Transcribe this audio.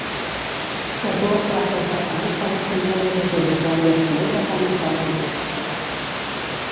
Les dues classes de fang poden contenir residus radioactius o farmacèutics.